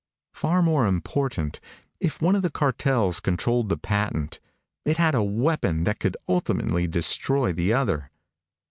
Far more important, if one of the cartels controlled the patent, it had a weapon that would ultimately destroy the other.